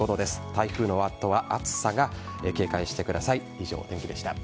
台風の後は暑さに警戒してください。